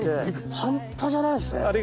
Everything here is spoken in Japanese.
半端じゃないですね！